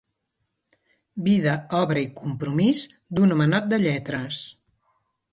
Vida, obra i compromís d'un homenot de lletres'